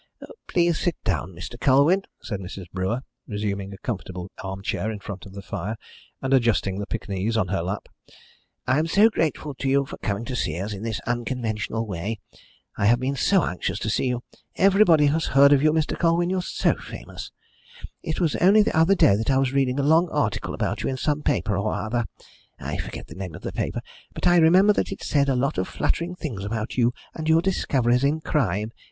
"Please sit down, Mr. Colwyn," said Mrs. Brewer, resuming a comfortable arm chair in front of the fire, and adjusting the Pekingese on her lap. "I am so grateful to you for coming to see us in this unconventional way. I have been so anxious to see you! Everybody has heard of you, Mr. Colwyn you're so famous. It was only the other day that I was reading a long article about you in some paper or other. I forget the name of the paper, but I remember that it said a lot of flattering things about you and your discoveries in crime.